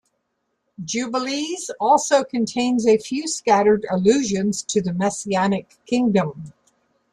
"Jubilees" also contains a few scattered allusions to the Messianic kingdom.